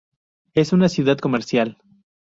Es una ciudad comercial.